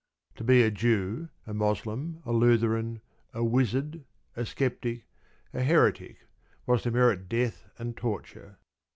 To be a Jew, a Moslem, a Lutheran, a "wizard," a sceptic, a heretic was to merit death and torture.